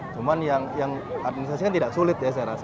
cuma yang administrasi kan tidak sulit ya saya rasa